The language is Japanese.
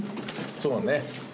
そうだね。